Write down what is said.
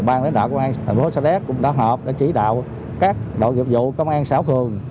bàn lãnh đạo công an thành phố sa đéc cũng đã hợp để chỉ đạo các đội dụng dụ công an xã hồ thường